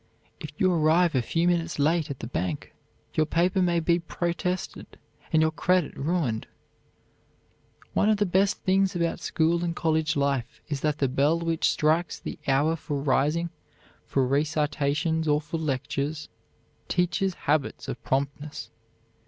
If you arrive a few moments late at the bank, your paper may be protested and your credit ruined. One of the best things about school and college life is that the bell which strikes the hour for rising, for recitations, or for lectures, teaches habits of promptness.